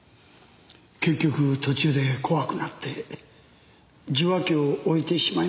結局途中で怖くなって受話器を置いてしまいました。